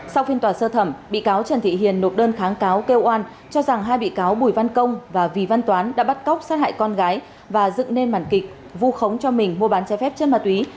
sau phiên tòa sơ thẩm bị cáo trần thị hiền nộp đơn kháng cáo kêu oan cho rằng hai bị cáo bùi văn công và vì văn toán đã bắt cóc sát hại con gái và dựng nên màn kịch vu khống cho mình mua bán trái phép chân ma túy